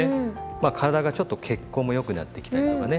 まあ体がちょっと血行も良くなってきたりとかね。